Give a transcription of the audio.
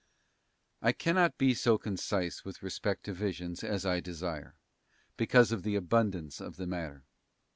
I cannot be so concise with respect to visions as I desire, because of the abundance of the matter.